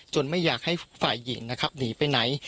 ไม่อยากให้ฝ่ายหญิงนะครับหนีไปไหน